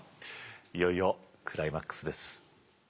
いよいよクライマックスです。